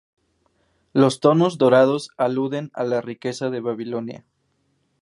Los tonos dorados aluden a la riqueza de Babilonia.